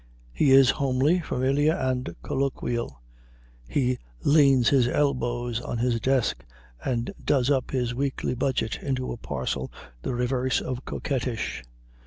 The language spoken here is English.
He is homely, familiar and colloquial; he leans his elbows on his desk and does up his weekly budget into a parcel the reverse of coquettish.